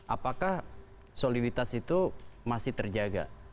apakah soliditas itu masih terjaga